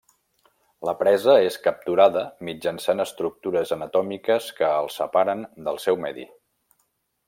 La presa és capturada mitjançant estructures anatòmiques que el separen del seu medi.